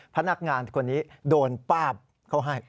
พนักงานคนนี้โดนป้าบเขาให้